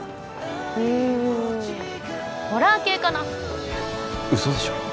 うんホラー系かなウソでしょ！？